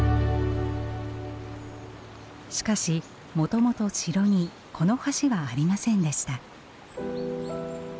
しかしもともと城にこの橋はありませんでした。